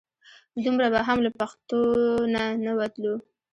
دومره به هم له پښتو نه نه وتلو.